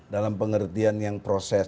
dalam pengertian yang proses